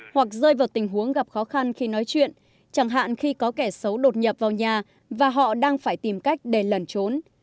hoặc rơi vào tình huống gặp khó khăn khi nói chuyện chẳng hạn khi có kẻ xấu đột nhập vào nhà và họ đang phải tìm cách để lẩn trốn